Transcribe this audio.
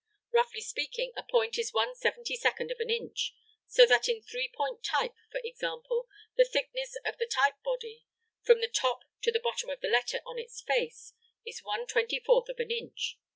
Roughly speaking, a point is one seventy second of an inch, so that in three point type, for example, the thickness of the type body, from the top to the bottom of the letter on its face, is one twenty fourth of an inch.